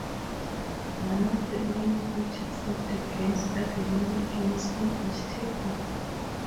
One of the main features of the game are the minigames on each table.